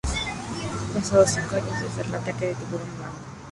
Han pasado cinco años desde el ataque del tiburón blanco.